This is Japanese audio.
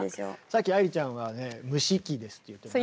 さっき愛理ちゃんは蒸し器ですって言ってました。